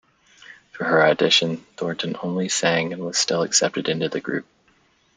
For her audition, Thornton only sang and was still accepted into the group.